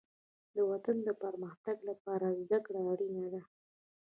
د وطن د پرمختګ لپاره زدهکړه اړینه ده.